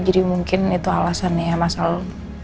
jadi mungkin itu alasannya masalah